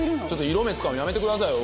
色目使うのやめてくださいよ。